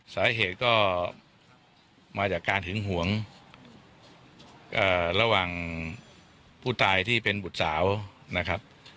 สาเหตุก็มาจากการหึงหวงระหว่างผู้ตายที่เป็นบุตรสาวนะครับ